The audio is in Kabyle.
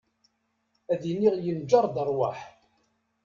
Ad iniɣ yenjer-d rwaḥ.